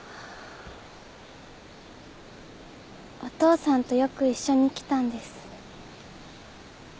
お父さんとよく一緒に来たんです。